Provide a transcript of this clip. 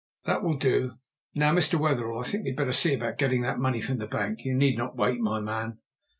"That will do. Now, Mr. Wetherell, I think we'd better see about getting that money from the bank. You need not wait, my man."